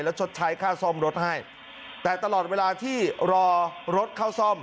แล้วชดใช้ค่าซ่อมรถให้แต่ตลอดเวลาที่รอรถเข้าซ่อม